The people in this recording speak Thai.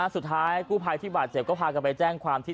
สุดท้ายกู้ภัยที่บาดเจ็บก็พากันไปแจ้งความที่